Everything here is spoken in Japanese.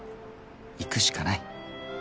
行くしかない。